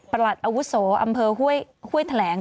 ประหลัดอาวุศโศคอำเภอห้วยแถลง